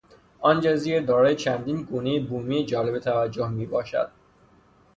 آن جزیره دارای چندین گونهی بومی جالب توجه می باشد.